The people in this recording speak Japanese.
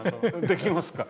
できますか？